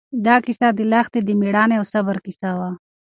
دا کیسه د لښتې د مېړانې او صبر کیسه وه.